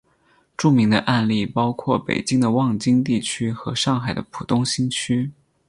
著名的案例包括北京的望京地区和上海的浦东新区。